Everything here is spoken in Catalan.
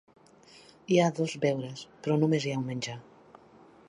Hi ha dos beures, però només hi ha un menjar.